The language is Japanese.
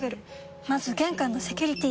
まず玄関のセキュリティ！